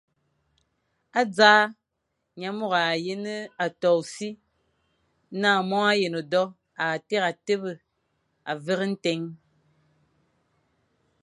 E dza, nyamôro â yén a toʼo ô si, na mongo a yén do, â téré a tebe a vere ntén.